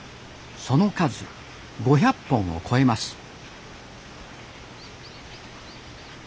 その数５００本を超えます